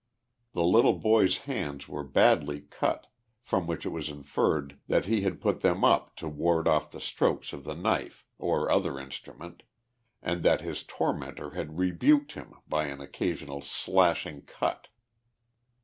The little boy's hands were badly cut, from which it was inferred that lie had put them up to ward off the strokes of the knife, or other instrument, and that his tormentor had rebuked him by an occa sional slashing cut.